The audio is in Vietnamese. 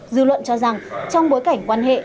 dư luận cho rằng trong bối cảnh quan hệ